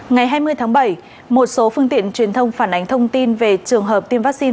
ngày hai mươi tháng bảy một số phương tiện truyền thông phản ánh thông tin về trường hợp tiêm vaccine